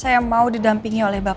saya mau didampingi oleh bapak